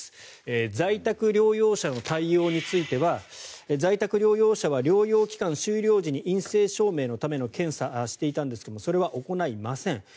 在宅療養者の対応については在宅療養者は療養期間終了時に陰性証明のための検査をしていたんですがそれは行いません。